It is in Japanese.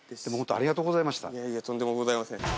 いえいえとんでもございません。